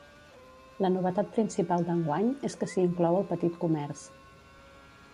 La novetat principal d’enguany és que s’hi inclou el petit comerç.